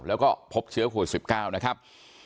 แล้วก็พบเชื้อโควิด๑๙นะครับ